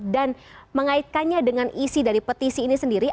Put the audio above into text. dan mengaitkannya dengan isi dari petisi ini sendiri